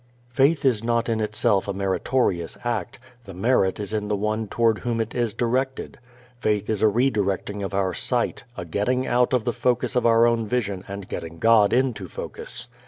Faith is not in itself a meritorious act; the merit is in the One toward Whom it is directed. Faith is a redirecting of our sight, a getting out of the focus of our own vision and getting God into focus.